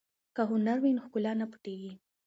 که هنر وي نو ښکلا نه پټیږي.